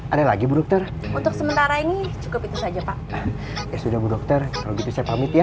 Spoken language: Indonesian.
ada lagi bu dokter untuk sementara ini cukup itu saja pak ya sudah bu dokter kalau gitu saya pamit ya